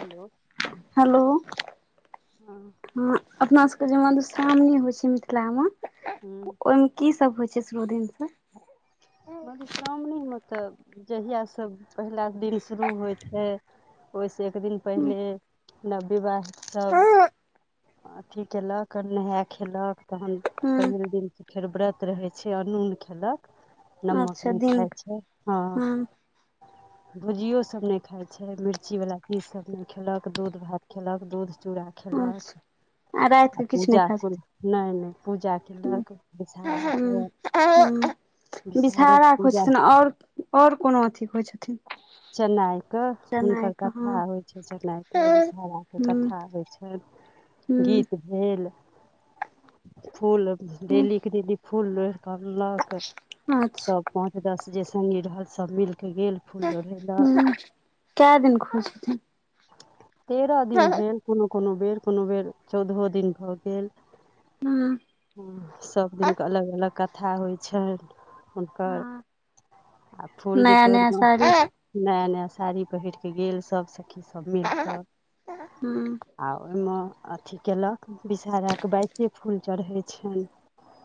Hello hello हँ हँ अपना सबके जे मधुश्रावणी होइ छै मिथिला मे हूँ ओइमे की सब होइ छै शुरू दिन स मधुश्रावणीमे तऽ जहिया सब पहिला दिन शुरू होइ छै ओइसँ एक दिन पहिले नव विवाहसब अथि कयलक नेहा खेलक तहन पहिल दिन त फेर व्रत रहै छै अनून खेलक नमक अच्छा नहि दिन खाइ छै हँ भुजियो सब नै खाइ छै मिर्चीवला चीज सब नै खेलक दूध भात खेलक दूध चूड़ा अच्छा खेलक राति आ के किछु नहि पूजा खाइ को छथिन नै नै पूजा केलक बिसहारा के विषहारे बिषहारा के होइ पूजा छथिन आओर आओर कोनो अथि के होइ छथिन चन्नइके चना हुनकर के हँ कथा होइ छै चन्नइ के विषहाराके हूँ हूँ कथा होइ छै गीत भेल फूल हूँ डेलीके डेली फूल लोढ़ क अनलक अच्छा सब पाँच दस जे संगे रहल सब मिलके गेल फुल लोढै कै दिन खुलै छथिन तेरह दिन हूँ भेल कोनो कोनो बेर कोनो बेर चौदहो दिन भऽ गेल [inaudible] हँ सभ दिन कऽ अलग अलग कथा होइ छै हुनकर हँ [inaudible] आ फूल जे नया तोड़ नया दु साड़ी नया नया साड़ी पहिर कऽ गेल सब सखी सब मिल कऽ [unintelligible] आ ओइ म अथि केँलक विषहरा कऽ बाइसे फूल चढ़ै छैन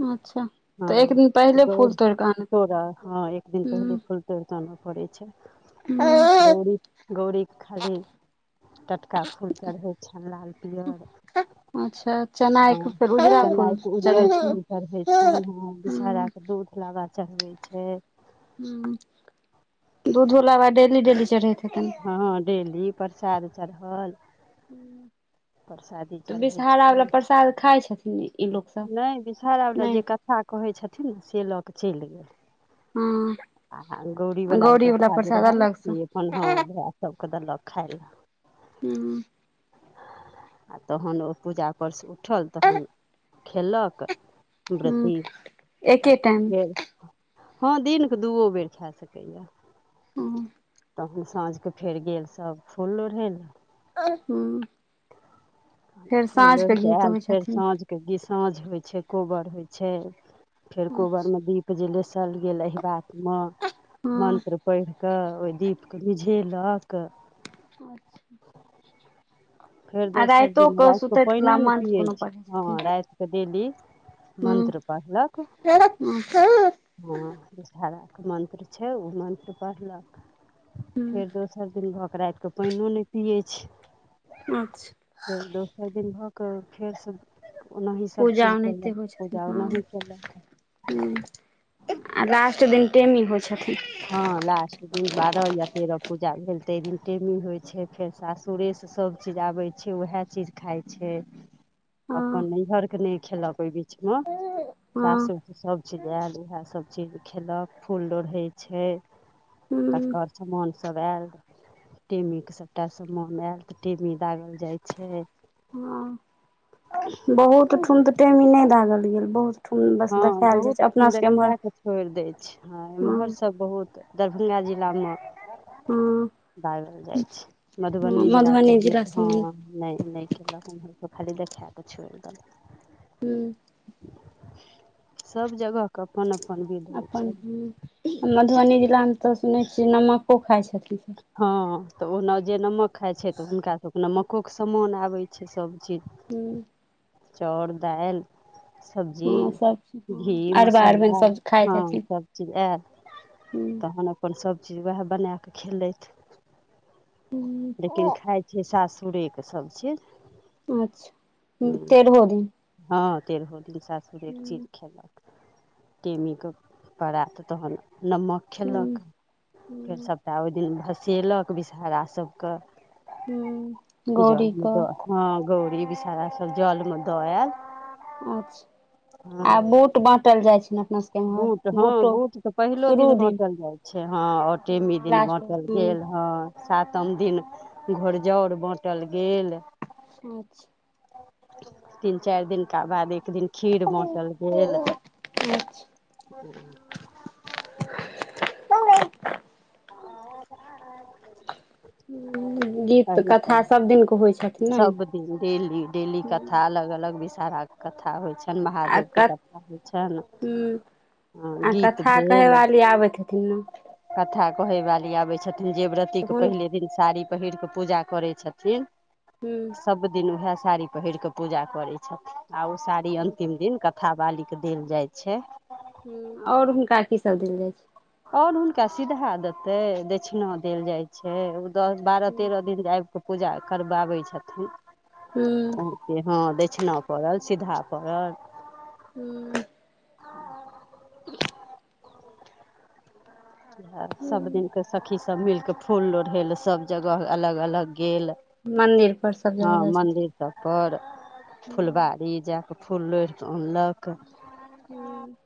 अच्छा [inaudible] हँ तऽ एक दिन पहिले फूल बहुत तोड़ कऽ आनब तोरा हँ एक दिन पहिले फुल तोड़ कऽ आन पड़ै छै [inaudible] गौड़ हूँ गौड़ीक खाली [inaudible] टटका फूल चढ़ै छैन लाल पिअर अच्छा [inaudible] चनाय हँ के फेर उजरा तना फूल केँ चढ़ै उज्जर छै फूल चढ़ै छै न हऽ हूँ विषहरा कऽ दूध लाबा चढ़बे छै हु [inaudible] दूधो लाबा डेली डेली चढ़ैत हेतेन हँ डेली प्रसाद चड़हल [inaudible] तऽ बिषहरा वला प्रसाद खाय छथिन इ नै विषरा वला जे कथा कहै छथिन से लऽ कऽ चैल गेल हँ [inaudible] आ गौरी वला जे वाला प्रसाद रहल अलग सँ से होन हँ भै सब कऽ देलक खाय लए [unintelligible] आ तहन ओ पूजा पर स उठल तहन खेलक हूँ ब्रती [inaudible] आ एके टाइम फेर हँ दिन कऽ दूओ बेर खा सकैए [unintelligible] तहन साँझ कऽ फेर गेल सब फूल लोढ़ै लऽ [unintelligible] फेर फूल साँझ लोढ़ि केँ कऽ गीत आयल होइ फेर छथिन साँझके साँझ होइ छै कोबर होइ छै फेर कोबर अच्छा में दीप जे लेसल गेल ऐहबात म [inaudible] हँ मन्त्र पड़ कऽ ओइ दीप कऽ मिझेलक [unintelligible] फेर आ दोसर राइतो दिन के राइत कऽ सुतैत कला पाइनो नै मंत्र पियै कोनो छै पढ़ै हँ छथिन राइत कऽ डेली हूँ मंत्र पड़लक [unintelligible] हँ वीषहरा कऽ मन्त्र छै ओ मन्त्र पड़लक फेर दोस फेर दिन भऽ कऽ राइत कऽ पाइनो नै पियै छै अच्छा फेर दोसर दिन भऽ कऽ फेरस ओनाही सभ पूजा चीज ओनाहिते कैलक पूजा ओनाही केलक हु [inaudible] आ लास्ट दिन टेमी होइ छथिन हँ लास्ट दिन बारह या तेरह पूजा भेल तैय दिन टेमी होइ छै फेर सासुरे स संब चीज आबै छै उहै चीज खाइ छै हँ अपन नैहर कऽ नै खेलक ओइ बीच म हँ सासुर स सब चीज ऐल उहै सब चीज खेलक फूल लोड़ैत छै [inaudible] हूँ तकर समान सब ऐल टेमी कऽ सभटा समान एल तऽ टेमी दागल जाइ छै हँ बहुत ठुम टेमी नै दागल गेल बहुत ठुम बस हँ देखायल जाइ बहुत छै अपना ठुन सबके देखा एम्हर कऽ छोड़ दै छै हँ एमहर सब बहुत दरभंगा जिला में हँ बारल जाइ छै मधुबनी जिला सब दि हँ नय नय केलक उमहर के खाली देखा कऽ छोड़ देलक हूँ सभ जगह के अपन अपन विध होइ अपन छै हूँ मधुबनी जिला में तऽ सुनै छियै नमको खाइ छथिन हँ तऽ ओ न जे नमक खाइ छै तऽ हुनकासभ के नमको के समान आबै छै सभचीज हूँ चाउर दाइल हँ सब सब्जी घी हँ अरबा अरबनि मसाला सब खाइत हँ हेथिन सब चीज आयल तहन अ अपन सब चीज वएह बना कऽ खेलेथ लेकिन हूँ खाइत सासुरे के सब चीज अच्छा तेरहो दिन हँ तेरहो दिन सासुरे कऽ हूँ चीज खेलक टेमी कऽ पड़ात तहन नमक हूँ खयलक फेर सभटा ओय दिन भसेलक विषहरा सभकेँ हूँ गौरी जल में द कऽ हँ गौरी विषारा सब जल म दऽ आयल अच्छा आ हँ बूट बाँटल जाइ छै न अपना सब बूट हँ बूट तऽ पहिलो दिन बाँटल जाय छै हँ टेमी दिन लास्ट हूँ बाँटल गेल हँ सातम दिन छोड़जउर बाँटल गेल अच्छा तीन चार दिनका बाद एक दिन खीर बाँटल गेल अच्छा हँ हूँ गीत एही कथा तरह सब दिन कऽ होइ छथि ने सभ डेली डेली कथा अलग अलग विषहारा के कथा होइ छै अखेन आ महादेव के क कथा होइ छैन हूँ आ कथा कहे वाली आबैत हेथिन न कथा कहै वाली आबै छथिन जे व्रति तऽ हुन पहिले दिन साड़ी पहिर कऽ पूजा करै छथिन हूँ सब दिन ओएह साड़ी पहिर कऽ पूजा करै छथिन आर ओ साड़ी अन्तिम दिन कत काथा बाली के देल जाइ छै ह ओर हुनका की सब देल जाइ छै ओर हुनका सीधा देतै दक्षिणा देल जाइत छै दस बारह तेरह दिन आब कऽ पूजा करबाबै छथिन हूँ से हँ दक्षिणा पड़ल सीधा पड़ल हूँ सब दिन कऽ सखी सब मिल केऽ फूल लोढ़ैेल सभ जगह अलग अलग गेल मन्दिर पर सब जगह जाइ छथिन सब पर फुलबाारी जाक फूल लोढ़िक अनलक हूँ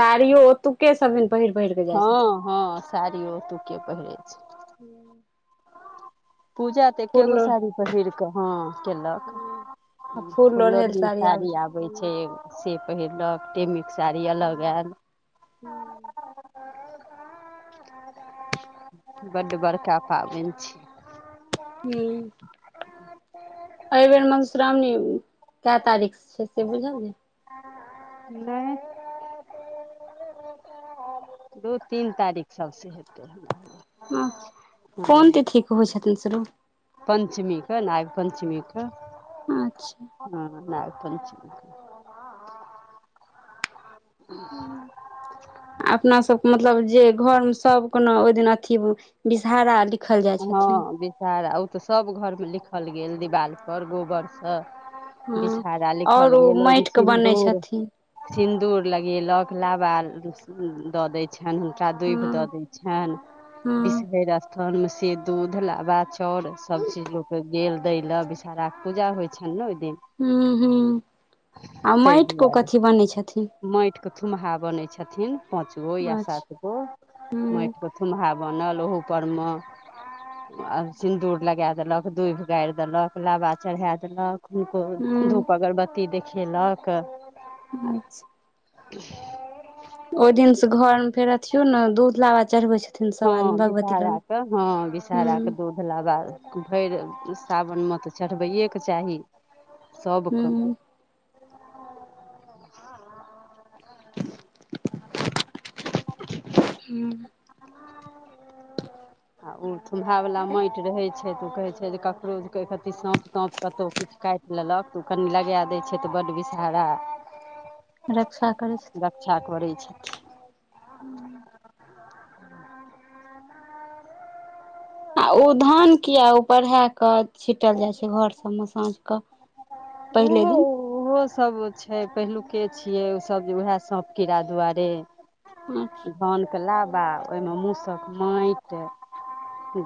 सारीयो ओतुके सब हिन पहिल पहिल बेर हँ हँ साड़ियो ओतुके पहिरै छै। हूँ पूजा तऽ एके गो आ साड़ी पहिर कऽ हँ केलक। फूल फुल लोढ़ैल लोढ़ी साड़ी आबै छै छथिन एगो से पहिरलक टेमीक साड़ी अलग आयल। हुँ बड्ड बड़का पाबनि छी हुँ एणहि बेर मधुश्रावणी कै तारीख क छीयै से बुझल ये नय दू तीन तारीख सभसे हेतै हमरा बुझाइये हुँ कोन तिथिके होइ छथिन शुरू? पञ्चमी के नाग पञ्चमी के अच्छा हँ नागपञ्चमीे। हुँ अपना सबके मतलब जे घर मे सबके ने ओहि दिन अथी बिसहारा हँ विषहरा ओ तऽ सभ घरमे लिखल गेल दिवालपर गोबरसँ हँ बिषहारा लिखल आओर ओ गेल ओहिमे माटिके बनै सिन्दूर छथिन सिन्दूर लगेलक लाबा दऽ दै छनि हुन टा दुभि दऽ हँ दै छनि हँ बिषहेर स्थान मे से दूध लाबा चाउर सभ चीज लोकके गेल दै लए विषहारा के पूजा होइ छनि ने ओहि दिन। हुँ हुँ आ ओ माटि को कथी बनै छथिन? माटि के थुम्हा बनय छथिन पाँच गो या अच्छा सात गो हूँ माटि के थुम्हा बनल ओहू परम आब सिन्दूर लगे देलक दूभि गारि देलक लाबा चढ़ाए देलक। हुनको हूँ धूप अगरबत्ती देखेलक। अच्छा [inaudible] ओहि दिन से घर मे फेर अथियो न दूध लाबा चढ़बै छथिन। हँ सभ आदमी भगवती विषहरा लग के हँ विषहारा के हूँ दूध लाबा भरि सावनमे तऽ चढ़बैएके चाही सबके। हूँ हुँ आ उ थुम्हा वाला माटि रहै छै त ओ कहै छै जे ककरो जे कहीं कथी साँप ताँप कतहु किछु काटि लेलक ति ओ कनि लगे दै छै त बड्ड विषहारा रक्षा करै छथिन रक्षा करै छथिन हूँ आ ओ धान किये उपर हे कऽ छिटल जाइ छै घर सबमे साँझके पहिले ओहो दिन। ओहो सब छै पहिलुके छियै ओसभ जे उएह साँप कीड़ा दुआरे पाँच धानके लाबा ओहिमे मूसक माटि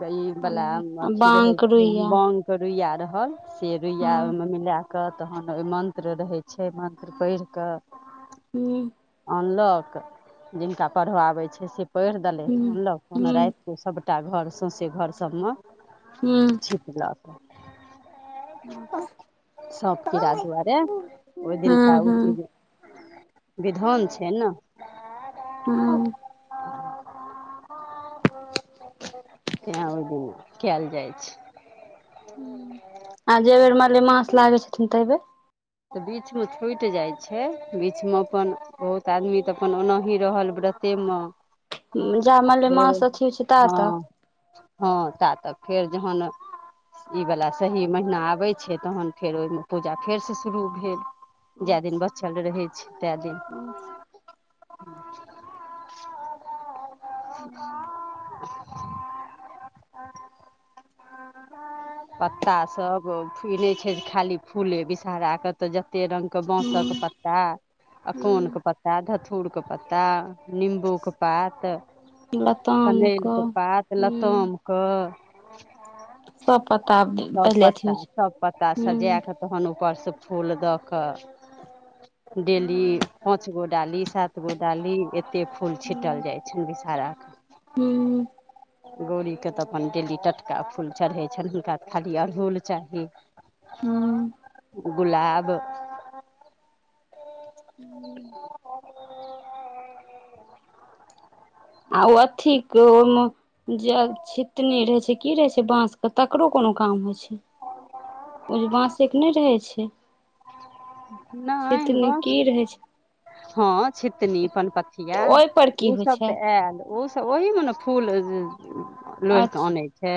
गै ई वला अथी रहै बाँक छै रुइया बांक रुइया रहल से रुइया हँ ओहिमे मिले कऽ तहन ओहिमे मत्र रहै छै मन्त्र पढ़ि कऽ हूँ अनलक जिनका पढ़ऽ आबै छै से पढ़ि देलथि हूँ अनलक कोनो हूँ राति सभटा घर सौँसे घर सबमे हुँ साँप कीड़ा हूँ दुआरे ओहि दिनका ओ हूँ चीज विधान छै ने हुँ तैँ ओहिदिन कैल जाइ छै आ जै बेर मालेमास लागै छथिन तै बेर तऽ बीचमे छूटि जाइ छै बीचमे अपन बहुत आदमी तऽ अपन ओनाही रहल व्रतेमे जा फेर मलेमास अथी होइ छै ता हँ तक हँ ता तक फेर जहन ई वला सही महीना आबै छै तहन फेर ओहिमे पूजा फेरसँ शुरू भेल हूँ जै दिन बचल रहै छै ते दिन [inaudible] पत्ता सब ई नय छै खाली फूले विषहरा के तऽ जते रंग के बाँसक पत्ता अकोन हूँ के पत्ता धथु र के पत्ता निम्बूके पात लताम कनैलके कऽ पात हूँ लतामके सब पत्ता सब पहिले अथी पत्ता होइ छै सब पत्ता सजे हूँ कऽ तहन ऊपरसँ फूल दऽ कऽ डेली पाँच गो डाली सात गो डाली एते फूल छिटल जाइ छनि विषहारा के हुँ गौरीके तऽ अपन डेली टटका फूल चढ़ै छनि हुनका तऽ खाली अड़हुल चाही हूँ गुलाब आ उ अथी के ओइमे जे आब छितनी रहै छै की रहै छै बाँसके तकरो कोनो काम होइ छै ओ जे बाँसेके नय रहै छै नय छितनी बाँस की रहै छै हँ छितनी पनपथिया तऽ ओहिपर की ओ होइ सब छै तऽ आयल ओसभ ओहीमे न फूल लोढ़ि कऽ अच्छा अनै छै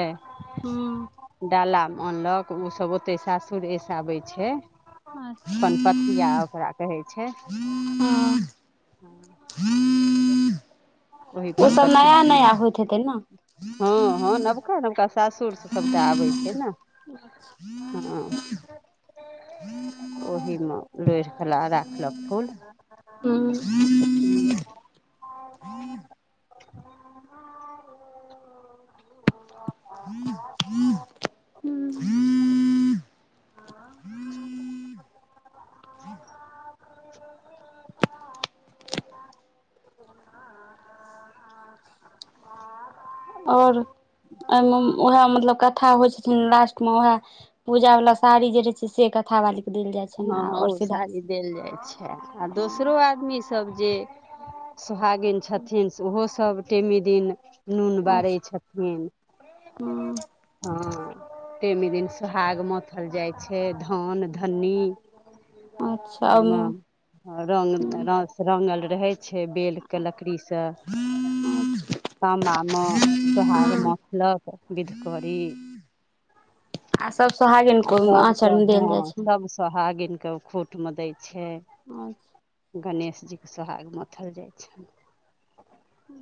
हूँ डालामे अनलक ओसब ओतै सासुरेसँ आबै छै अच्छा पनपथिया ओकरा कहै छै हँ ओहि ओसभ नया पनपथियामे नया होइत हेतै न हँ हँ नवका नवका सासुर से सभटा आबै छै न [inaudible] हँ ओहीमे लोढ़ि कऽ ल राखलक फूल हुँ [inaudible] [inaudible] ह ह हू [unintelligible] ह [unintelligible] [inaudible] [inaudible] आओर एहिमे उएह मतलब कथा होइ छथिन लास्टमे उएह पूजा वाला साड़ी जे रहै छै से कथा बाली के देल जाय छै ने हँ हाँ आओर ओ सीधा साड़ी देल जाय छै आ दोसरो हूँ आ आदमी सब जे सोहागिन छथिन से ओहो सब टेमी दिन नून बारै अच्छा छथिन हूँ हँ टेमी दिन सोहाग मथल जाइ छै धन ध नी अच्छा म हूँ रंग र रंगल रहै छै बेल के लकड़ी सँ तामबा मे सोहाग मथलक बिधकरी आ सब सोहागीन आ सब के हँ सब सोहागिन के ओ खुट मे दै छै अच्छा गणेश जी के सोहाग मथल जाइ छनि उ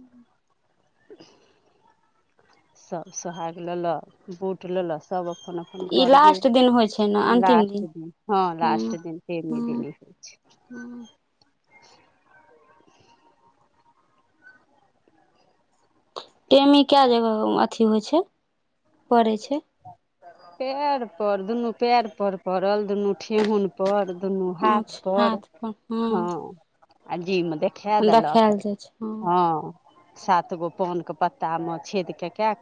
[inaudible] सब सोहाग लेल बूट लेल सब अपन अपन पन ई घर लास्ट दिन होइ छै ने गेल अन्तिम लास्ट दिन हँ लास्ट हूँ दिन टेमी दिन हूँ होइ छै हूँ टेमी कए जगह अथी होइ छै पड़ै छै पेड़ पर दुनू पेड़ पर पड़ल दुनू ठेहुन पर दुनू हाथ पर हँ आ जी मे देख खाए देलक देखायल जाइ छै हँ सात गो पान के पत्ता मे छेदकेए कऽ